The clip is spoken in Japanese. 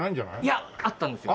いやあったんですよ。